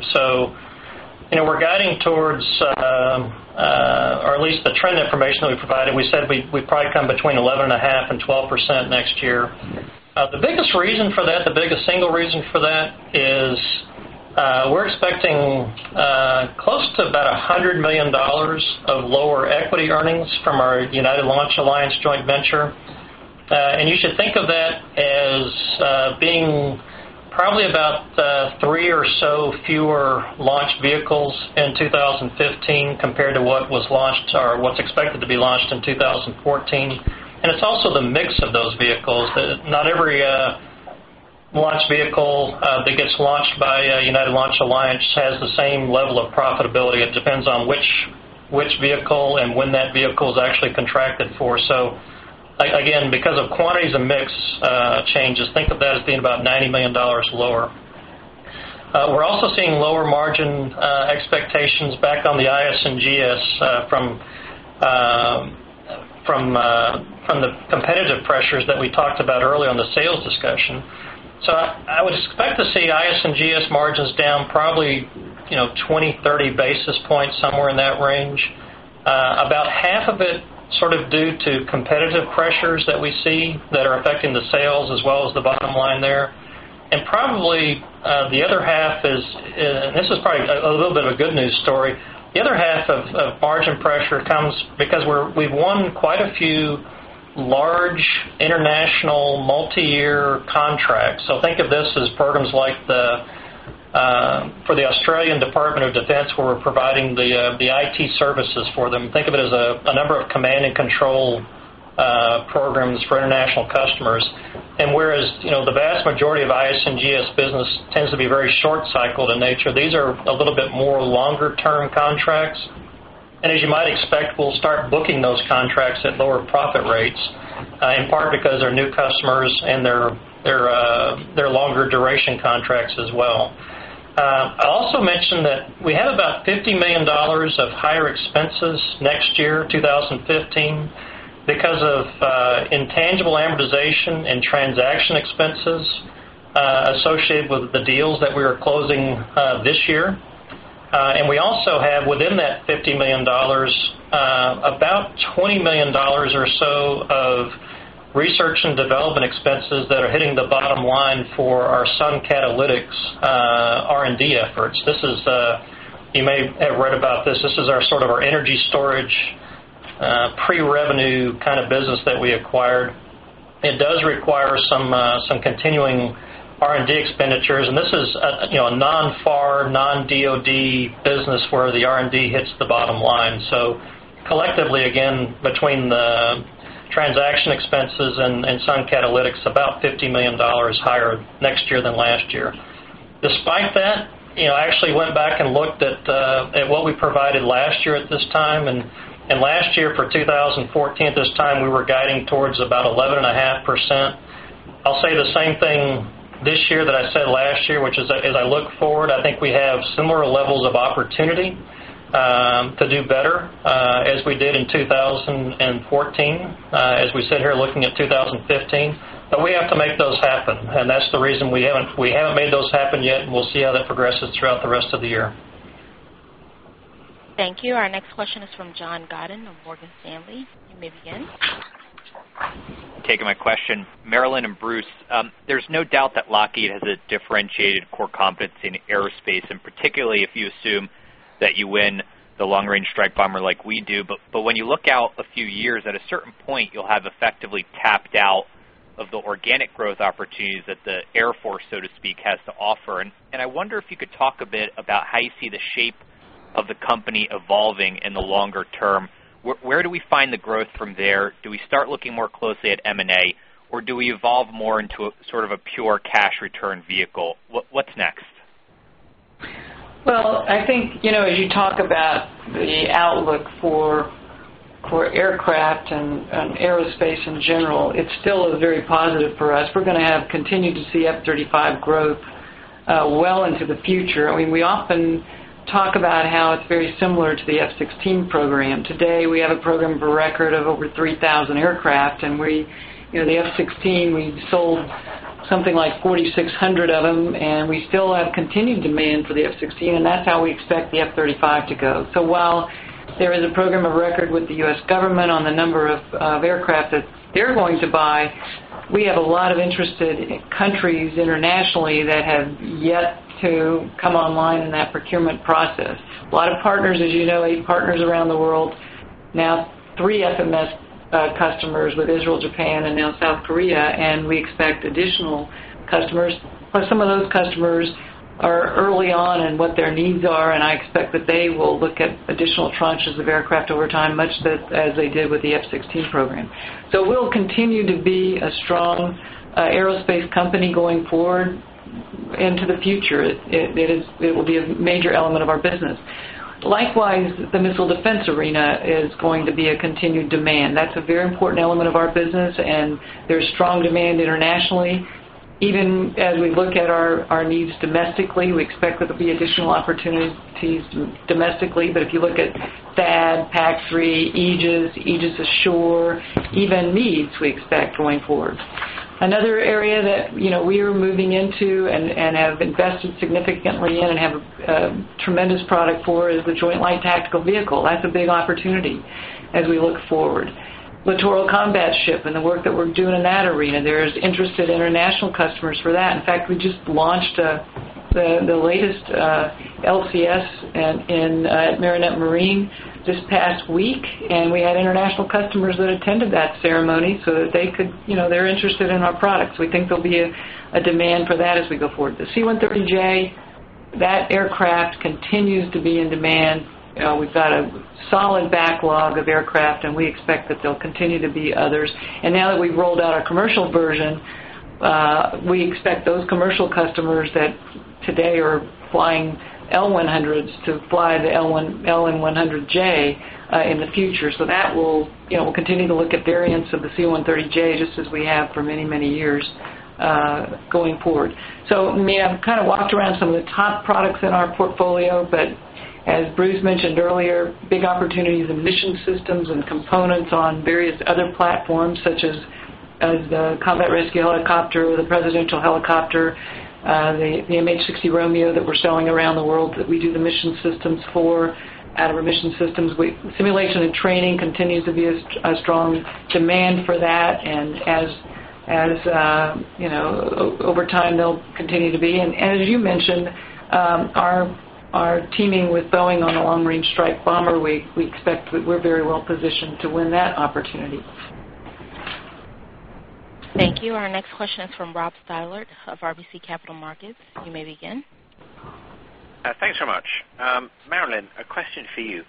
We're guiding towards, or at least the trend information that we provided, we said we'd probably come between 11.5%-12% next year. The biggest single reason for that is, we're expecting close to about $100 million of lower equity earnings from our United Launch Alliance joint venture. You should think of that as being probably about three or so fewer launch vehicles in 2015 compared to what was launched, or what's expected to be launched in 2014. It's also the mix of those vehicles, that not every launch vehicle that gets launched by United Launch Alliance has the same level of profitability. It depends on which vehicle and when that vehicle is actually contracted for. Again, because of quantities and mix changes, think of that as being about $90 million lower. We're also seeing lower margin expectations back on the IS&GS from the competitive pressures that we talked about earlier on the sales discussion. I would expect to see IS&GS margins down probably 20, 30 basis points, somewhere in that range. About half of it sort of due to competitive pressures that we see that are affecting the sales as well as the bottom line there. Probably, the other half is, and this is probably a little bit of a good news story, the other half of margin pressure comes because we've won quite a few large international multi-year contracts. Think of this as programs like for the Australian Department of Defence, where we're providing the IT services for them. Think of it as a number of command and control programs for international customers. Whereas the vast majority of IS&GS business tends to be very short-cycled in nature, these are a little bit more longer-term contracts. As you might expect, we'll start booking those contracts at lower profit rates, in part because they're new customers and they're longer duration contracts as well. I also mentioned that we have about $50 million of higher expenses next year, 2015, because of intangible amortization and transaction expenses associated with the deals that we are closing this year. We also have, within that $50 million, about $20 million or so of research and development expenses that are hitting the bottom line for our Sun Catalytix R&D efforts. You may have read about this. This is sort of our energy storage, pre-revenue kind of business that we acquired. It does require some continuing R&D expenditures, and this is a non-FAR, non-DOD business where the R&D hits the bottom line. Collectively, again, between the transaction expenses and Sun Catalytix, about $50 million higher next year than last year. Despite that, I actually went back and looked at what we provided last year at this time. Last year, for 2014 at this time, we were guiding towards about 11.5%. I'll say the same thing this year that I said last year, which is that as I look forward, I think we have similar levels of opportunity to do better, as we did in 2014, as we sit here looking at 2015. We have to make those happen, that's the reason we haven't made those happen yet, we'll see how that progresses throughout the rest of the year. Thank you. Our next question is from John Godden of Morgan Stanley. You may begin. Thank you for taking my question. Marillyn and Bruce, there's no doubt that Lockheed has a differentiated core competence in aerospace, particularly if you assume that you win the Long-Range Strike Bomber like we do. When you look out a few years, at a certain point, you'll have effectively capped out of the organic growth opportunities that the Air Force, so to speak, has to offer. I wonder if you could talk a bit about how you see the shape of the company evolving in the longer term. Where do we find the growth from there? Do we start looking more closely at M&A, or do we evolve more into sort of a pure cash return vehicle? What's next? Well, I think, as you talk about the outlook for aircraft and aerospace in general, it still is very positive for us. We're going to continue to see F-35 growth well into the future. We often talk about how it's very similar to the F-16 program. Today, we have a program of record of over 3,000 aircraft, and the F-16, we sold Something like 4,600 of them, and we still have continued demand for the F-16, and that's how we expect the F-35 to go. While there is a program of record with the U.S. government on the number of aircraft that they're going to buy, we have a lot of interested countries internationally that have yet to come online in that procurement process. A lot of partners, as you know, eight partners around the world. Now three FMS customers with Israel, Japan, and now South Korea, and we expect additional customers. Some of those customers are early on in what their needs are, and I expect that they will look at additional tranches of aircraft over time, much as they did with the F-16 program. We'll continue to be a strong aerospace company going forward into the future. It will be a major element of our business. Likewise, the missile defense arena is going to be a continued demand. That's a very important element of our business, and there's strong demand internationally. Even as we look at our needs domestically, we expect that there'll be additional opportunities domestically, but if you look at THAAD, PAC-3, Aegis Ashore, even needs we expect going forward. Another area that we're moving into and have invested significantly in and have a tremendous product for is the Joint Light Tactical Vehicle. That's a big opportunity as we look forward. Littoral Combat Ship and the work that we're doing in that arena, there's interested international customers for that. In fact, we just launched the latest LCS in Marinette Marine this past week, and we had international customers that attended that ceremony so that they're interested in our products. We think there'll be a demand for that as we go forward. The C-130J, that aircraft continues to be in demand. We've got a solid backlog of aircraft, and we expect that there'll continue to be others. Now that we've rolled out our commercial version, we expect those commercial customers that today are flying L-100s to fly the LM-100J in the future. That will continue to look at variants of the C-130J, just as we have for many, many years going forward. I've kind of walked around some of the top products in our portfolio, but as Bruce mentioned earlier, big opportunities in Mission Systems and components on various other platforms, such as the Combat Rescue Helicopter or the Presidential Helicopter, the MH-60R that we're selling around the world that we do the Mission Systems for out of our Mission Systems. Simulation and training continues to be a strong demand for that, and over time they'll continue to be. As you mentioned, our teaming with Boeing on the Long-Range Strike Bomber, we expect that we're very well positioned to win that opportunity. Thank you. Our next question is from Robert Stallard of RBC Capital Markets. You may begin. Thanks so much. Marillyn, a question for you.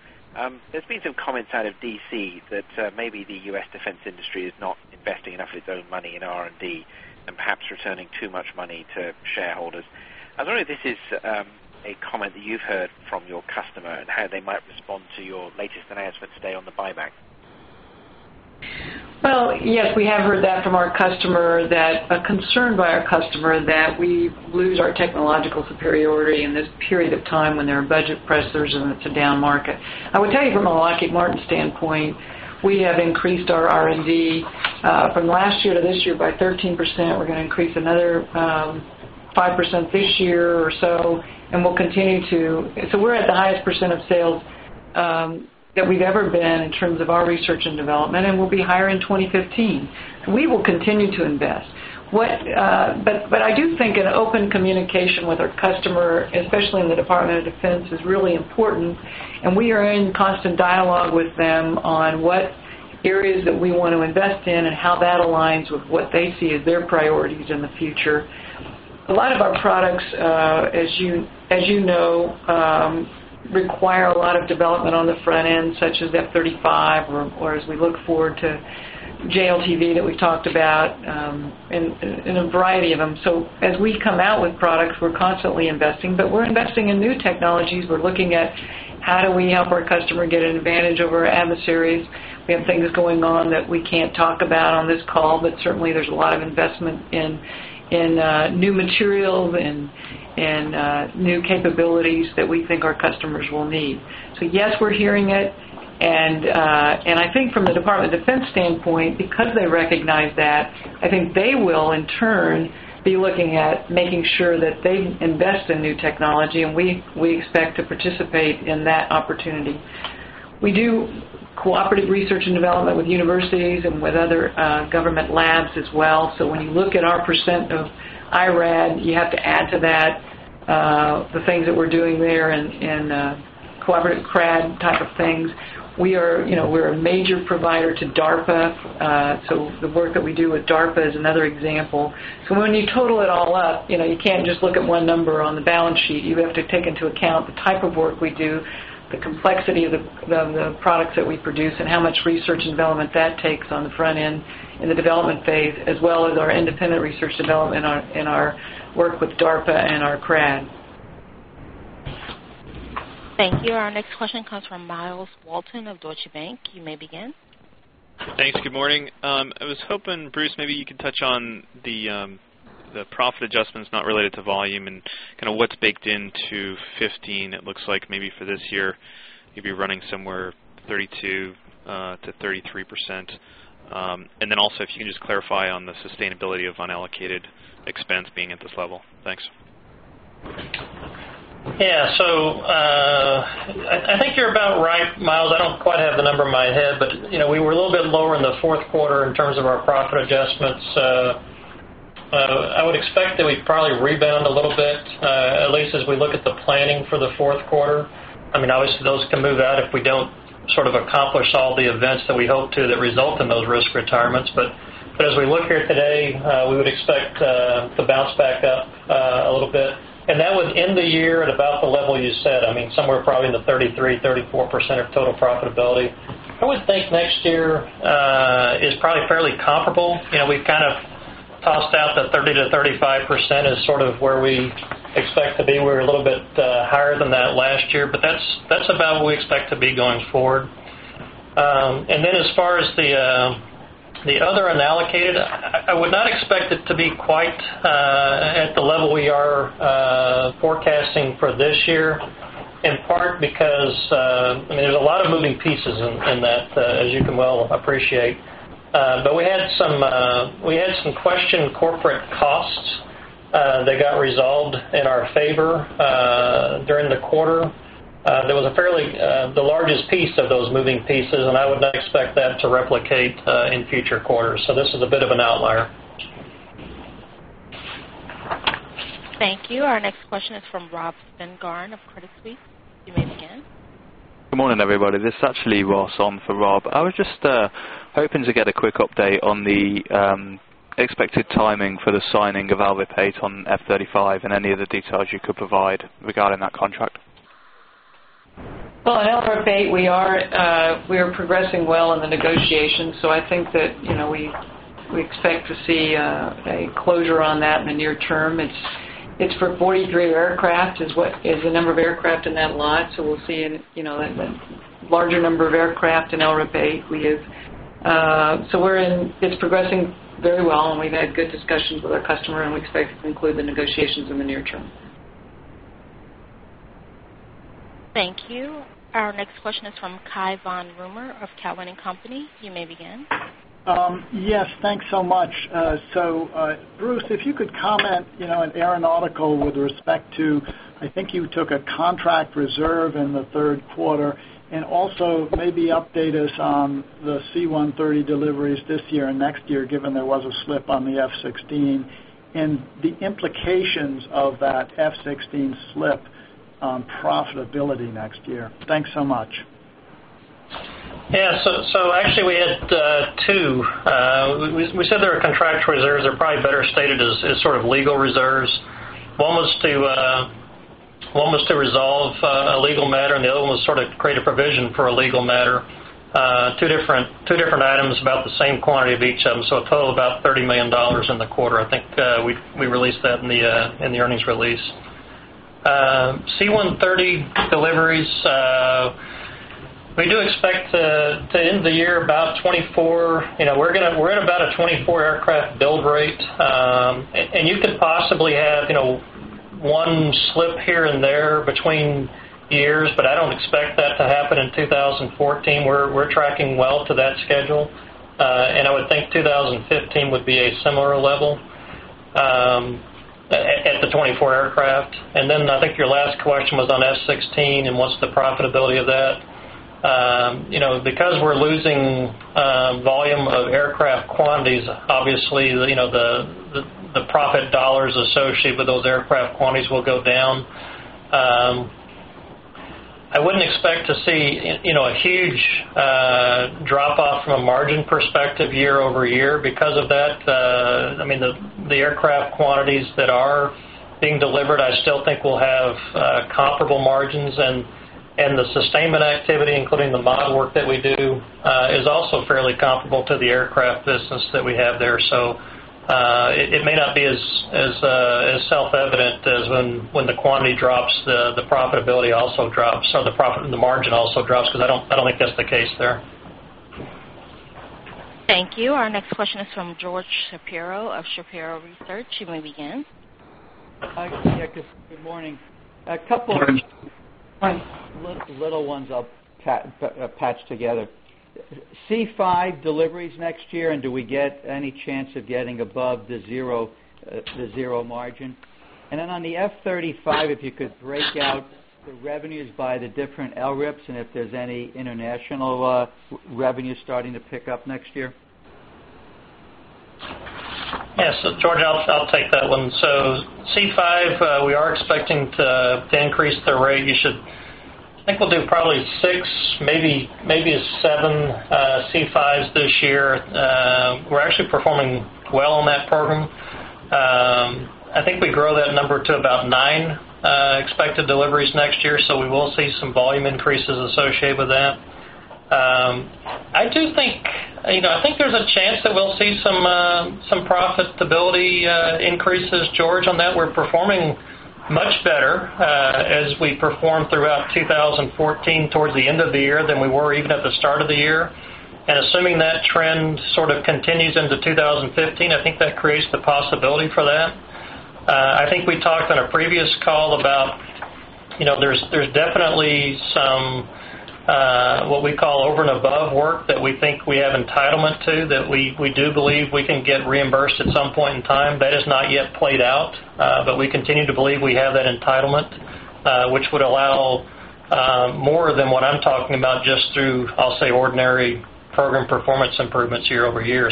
There's been some comments out of D.C. that maybe the U.S. defense industry is not investing enough of its own money in R&D and perhaps returning too much money to shareholders. I don't know if this is a comment that you've heard from your customer and how they might respond to your latest announcement today on the buyback. Yes, we have heard that from our customer, a concern by our customer that we lose our technological superiority in this period of time when there are budget pressures and it's a down market. I would tell you from a Lockheed Martin standpoint, we have increased our R&D from last year to this year by 13%. We're going to increase another 5% this year or so, and we'll continue to. We're at the highest percent of sales that we've ever been in terms of our research and development, and we'll be higher in 2015. We will continue to invest. I do think an open communication with our customer, especially in the Department of Defense, is really important, and we are in constant dialogue with them on what areas that we want to invest in and how that aligns with what they see as their priorities in the future. A lot of our products, as you know, require a lot of development on the front end, such as F-35, or as we look forward to JLTV that we talked about, in a variety of them. As we come out with products, we're constantly investing, but we're investing in new technologies. We're looking at how do we help our customer get an advantage over adversaries. We have things going on that we can't talk about on this call, but certainly, there's a lot of investment in new materials and new capabilities that we think our customers will need. Yes, we're hearing it, and I think from the Department of Defense standpoint, because they recognize that, I think they will in turn be looking at making sure that they invest in new technology, and we expect to participate in that opportunity. We do cooperative research and development with universities and with other government labs as well. When you look at our percent of IRAD, you have to add to that the things that we're doing there in cooperative CRAD type of things. We're a major provider to DARPA. The work that we do with DARPA is another example. When you total it all up, you can't just look at one number on the balance sheet. You have to take into account the type of work we do, the complexity of the products that we produce, and how much research and development that takes on the front end in the development phase, as well as our independent research development in our work with DARPA and our CRAD. Thank you. Our next question comes from Myles Walton of Deutsche Bank. You may begin. Thanks. Good morning. I was hoping, Bruce, maybe you could touch on the profit adjustments not related to volume and kind of what's baked into 2015. It looks like maybe for this year you'll be running somewhere 32%-33%. Also, if you can just clarify on the sustainability of unallocated expense being at this level. Thanks. I think you're about right, Myles. I don't quite have the number in my head, but we were a little bit lower in the fourth quarter in terms of our profit adjustments. I would expect that we'd probably rebound a little bit, at least as we look at the planning for the fourth quarter. Obviously, those can move out if we don't sort of accomplish all the events that we hope to that result in those risk retirements. As we look here today, we would expect to bounce back up a little bit. That was in the year at about the level you said, somewhere probably in the 33%-34% of total profitability. I would think next year is probably fairly comparable. We've kind of tossed out that 30%-35% is sort of where we expect to be. We're a little bit higher than that last year, but that's about what we expect to be going forward. As far as the other unallocated, I would not expect it to be quite at the level we are forecasting for this year, in part because there's a lot of moving pieces in that, as you can well appreciate. We had some questioned corporate costs that got resolved in our favor during the quarter. There was the largest piece of those moving pieces, and I would not expect that to replicate in future quarters. This is a bit of an outlier. Thank you. Our next question is from Robert Spingarn of Credit Suisse. You may begin. Good morning, everybody. This is actually Ross on for Rob. I was just hoping to get a quick update on the expected timing for the signing of LRIP 8 on F-35 and any of the details you could provide regarding that contract. Well, on LRIP 8, we are progressing well in the negotiations, so I think that we expect to see a closure on that in the near term. It's for 43 aircraft, is the number of aircraft in that lot. We'll see a larger number of aircraft in LRIP 8. It's progressing very well, and we've had good discussions with our customer, and we expect to conclude the negotiations in the near term. Thank you. Our next question is from Cai von Rumohr of Cowen and Company. You may begin. Yes, thanks so much. Bruce, if you could comment on Aeronautics with respect to, I think you took a contract reserve in the third quarter, and also maybe update us on the C-130 deliveries this year and next year, given there was a slip on the F-16, and the implications of that F-16 slip on profitability next year. Thanks so much. Actually we had two. We said they were contract reserves. They're probably better stated as sort of legal reserves. One was to resolve a legal matter, and the other one was to create a provision for a legal matter. Two different items, about the same quantity of each of them. A total of about $30 million in the quarter. I think we released that in the earnings release. C-130 deliveries, we do expect to end the year about 24. We're at about a 24 aircraft build rate. You could possibly have one slip here and there between years, but I don't expect that to happen in 2014. We're tracking well to that schedule. I would think 2015 would be a similar level at the 24 aircraft. Then I think your last question was on F-16, and what's the profitability of that. Because we're losing volume of aircraft quantities, obviously, the profit dollars associated with those aircraft quantities will go down. I wouldn't expect to see a huge drop-off from a margin perspective year-over-year because of that. The aircraft quantities that are being delivered, I still think will have comparable margins, and the sustainment activity, including the mod work that we do, is also fairly comparable to the aircraft business that we have there. It may not be as self-evident as when the quantity drops, the profitability also drops, or the margin also drops, because I don't think that's the case there. Thank you. Our next question is from George Shapiro of Shapiro Research. You may begin. Hi. Good morning. Morning little ones I'll patch together. C-5 deliveries next year, do we get any chance of getting above the zero margin? On the F-35, if you could break out the revenues by the different LRIPS and if there's any international revenues starting to pick up next year. Yes. George, I'll take that one. C-5, we are expecting to increase the rate. I think we'll do probably six, maybe seven C-5s this year. We're actually performing well on that program. I think we grow that number to about nine expected deliveries next year, so we will see some volume increases associated with that. I think there's a chance that we'll see some profitability increases, George, on that. We're performing much better as we perform throughout 2014 towards the end of the year than we were even at the start of the year. Assuming that trend sort of continues into 2015, I think that creates the possibility for that. I think we talked on a previous call about there's definitely some what we call over and above work that we think we have entitlement to, that we do believe we can get reimbursed at some point in time. That is not yet played out, but we continue to believe we have that entitlement, which would allow more than what I'm talking about, just through, I'll say, ordinary program performance improvements year-over-year.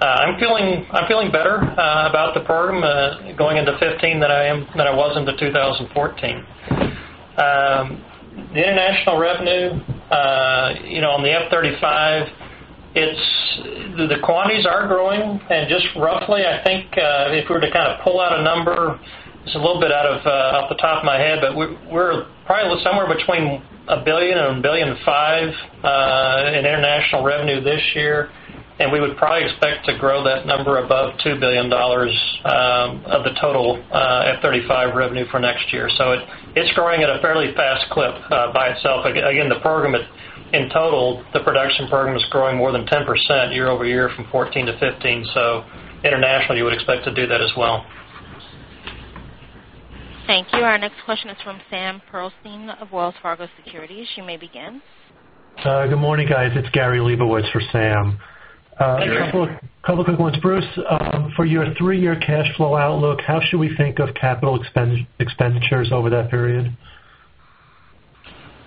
I'm feeling better about the program going into 2015 than I was into 2014. The international revenue on the F-35, the quantities are growing, and just roughly, I think if we were to kind of pull out a number, it's a little bit off the top of my head, but we're probably somewhere between $1 billion and $1.5 billion in international revenue this year, and we would probably expect to grow that number above $2 billion of the total F-35 revenue for next year. It's growing at a fairly fast clip by itself. Again, the program in total, the production program is growing more than 10% year-over-year from 2014 to 2015. Internationally, you would expect to do that as well. Thank you. Our next question is from Samuel Pearlstein of Wells Fargo Securities. You may begin. Good morning, guys. It's Gary Lebowitz for Sam. Gary. A couple of quick ones. Bruce, for your three-year cash flow outlook, how should we think of capital expenditures over that period?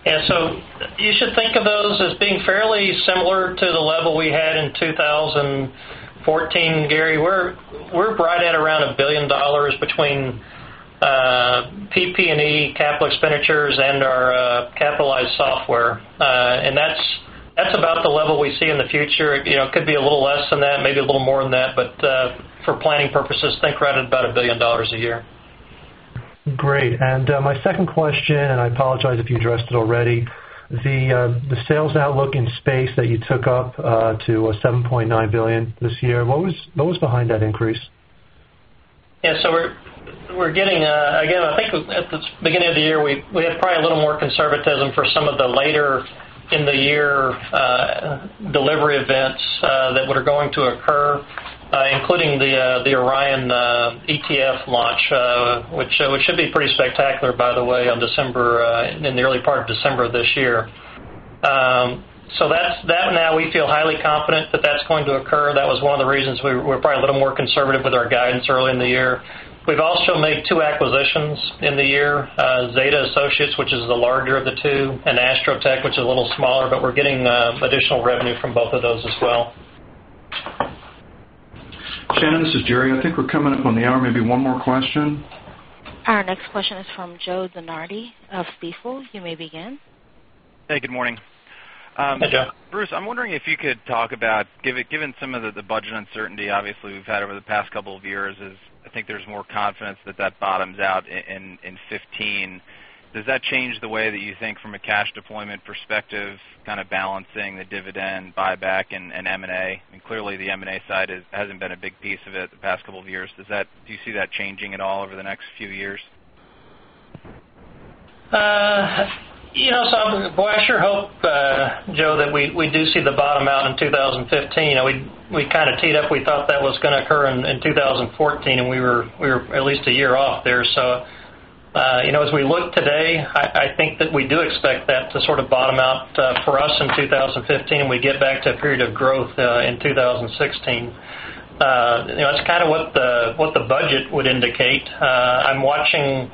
You should think of those as being fairly similar to the level we had in 2014, Gary. We're right at around $1 billion between PP&E capital expenditures and our capitalized software. That's about the level we see in the future. It could be a little less than that, maybe a little more than that, but for planning purposes, think right at about $1 billion a year. Great. My second question, and I apologize if you addressed it already, the sales outlook in Space that you took up to $7.9 billion this year, what was behind that increase? Again, I think at the beginning of the year, we had probably a little more conservatism for some of the later-in-the-year delivery events that were going to occur, including the Orion EFT-1 launch, which should be pretty spectacular, by the way, in the early part of December this year. That now we feel highly confident that that's going to occur. That was one of the reasons we were probably a little more conservative with our guidance early in the year. We've also made two acquisitions in the year, Zeta Associates, which is the larger of the two, and Astrotech, which is a little smaller, but we're getting additional revenue from both of those as well. Shannon, this is Jerry. I think we're coming up on the hour. Maybe one more question. Our next question is from Joseph DeNardi of Stifel. You may begin. Hey, good morning. Hey, Joe. Bruce, I'm wondering if you could talk about, given some of the budget uncertainty obviously we've had over the past couple of years is I think there's more confidence that that bottoms out in 2015. Does that change the way that you think from a cash deployment perspective, kind of balancing the dividend buyback and M&A? Clearly, the M&A side hasn't been a big piece of it the past couple of years. Do you see that changing at all over the next few years? Boy, I sure hope, Joe, that we do see the bottom out in 2015. We kind of teed up. We thought that was going to occur in 2014, and we were at least a year off there. As we look today, I think that we do expect that to sort of bottom out for us in 2015. We get back to a period of growth in 2016. That's kind of what the budget would indicate. I'm watching,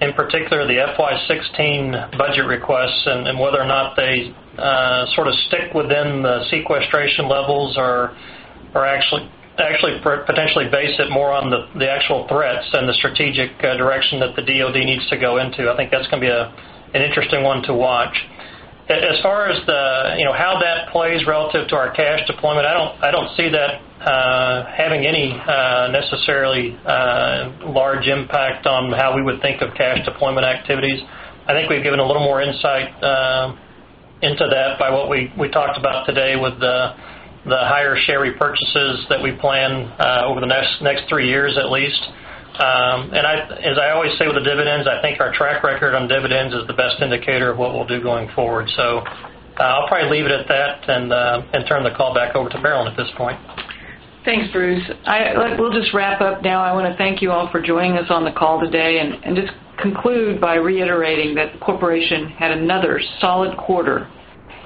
in particular, the FY 2016 budget requests and whether or not they sort of stick within the sequestration levels or actually potentially base it more on the actual threats and the strategic direction that the DoD needs to go into. I think that's going to be an interesting one to watch. As far as how that plays relative to our cash deployment, I don't see that having any necessarily large impact on how we would think of cash deployment activities. I think we've given a little more insight into that by what we talked about today with the higher share repurchases that we plan over the next three years at least. As I always say with the dividends, I think our track record on dividends is the best indicator of what we'll do going forward. I'll probably leave it at that and turn the call back over to Marillyn at this point. Thanks, Bruce. We'll just wrap up now. I want to thank you all for joining us on the call today and just conclude by reiterating that the corporation had another solid quarter,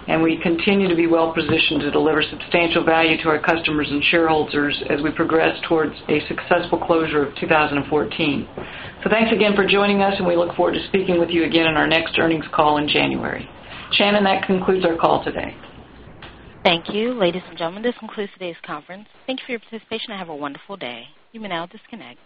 and we continue to be well positioned to deliver substantial value to our customers and shareholders as we progress towards a successful closure of 2014. Thanks again for joining us, and we look forward to speaking with you again in our next earnings call in January. Shannon, that concludes our call today. Thank you. Ladies and gentlemen, this concludes today's conference. Thank you for your participation and have a wonderful day. You may now disconnect.